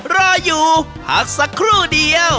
รออยู่พักสักครู่เดียว